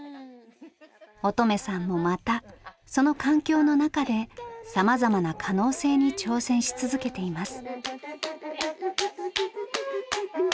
音十愛さんもまたその環境の中でさまざまな可能性に挑戦し続けています。